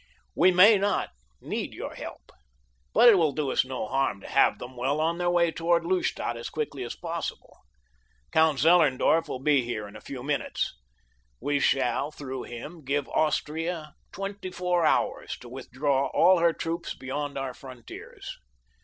"We may not need your help, but it will do us no harm to have them well on the way toward Lustadt as quickly as possible. Count Zellerndorf will be here in a few minutes. We shall, through him, give Austria twenty four hours to withdraw all her troops beyond our frontiers.